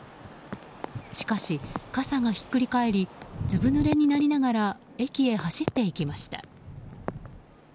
しかし、傘がひっくり返りずぶぬれになりながら駅へ走っていきました。